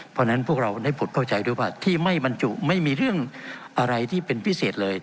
เพราะฉะนั้นพวกเราได้ผุดเข้าใจด้วยว่าที่ไม่บรรจุไม่มีเรื่องอะไรที่เป็นพิเศษเลย